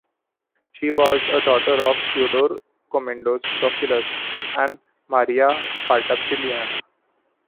She was a daughter of Theodore Komnenos Doukas and Maria Petraliphaina.